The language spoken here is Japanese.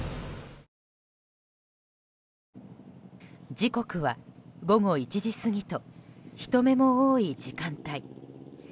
時刻は午後１時過ぎと人目も多い時間帯。